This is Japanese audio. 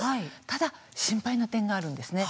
ただ、心配な点があるんですね。